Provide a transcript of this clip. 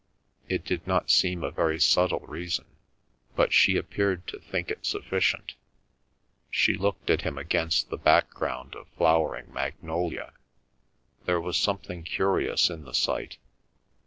It did not seem a very subtle reason, but she appeared to think it sufficient. She looked at him against the background of flowering magnolia. There was something curious in the sight.